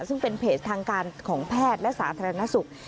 ซึ่งเป็นเพจทางการของแพทย์และสาธารณสุข